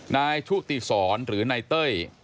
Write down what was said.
ชุติศรหรือนายเต้ย